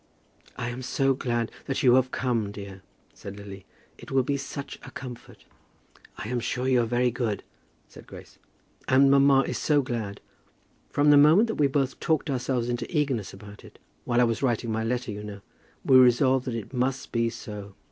"I am so glad that you have come, dear," said Lily. "It will be such a comfort." "I am sure you are very good," said Grace. "And mamma is so glad. From the moment that we both talked ourselves into eagerness about it, while I was writing my letter, you know, we resolved that it must be so."